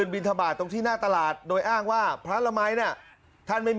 ไปส่งโรงพยาบาลต้องเย็บแผลถึง๑๓เข็ม